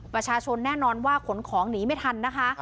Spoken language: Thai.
ประชาชนแน่นอนว่าขนของหนีไม่ทันนะคะ